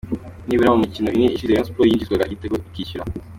Nibura mu mikino ine ishize, Rayon Sports yinjizwaga igitego ikishyura.